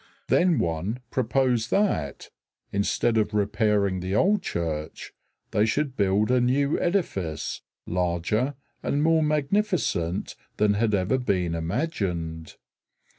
Then one proposed that, instead of repairing the old church, they should build a new edifice, larger and more magnificent than had ever been imagined.